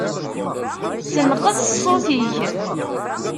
Senqeṣ ṣṣut-ik.